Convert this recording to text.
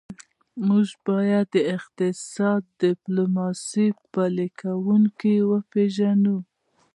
موږ باید د اقتصادي ډیپلوماسي پلي کوونکي وپېژنو